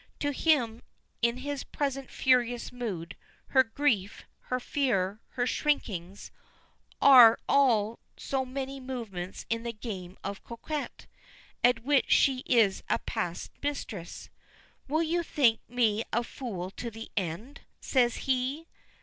To him, in his present furious mood, her grief, her fear, her shrinkings, are all so many movements in the game of coquette, at which she is a past mistress. "Will you think me a fool to the end?" says he.